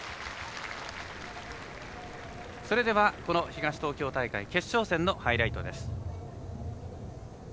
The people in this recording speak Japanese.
それではこの東東京大会決勝戦のハイライトです。